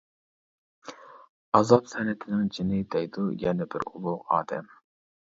‹ئازاب-سەنئەتنىڭ جېنى› دەيدۇ يەنە بىر ئۇلۇغ ئادەم.